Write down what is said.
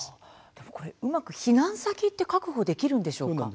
でも、うまく避難先は確保できるのでしょうか。